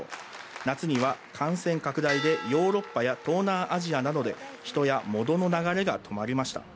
夏には感染拡大でヨーロッパや東南アジアなどで人やモノの流れが止まりました。